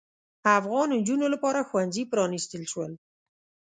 افغان نجونو لپاره ښوونځي پرانیستل شول.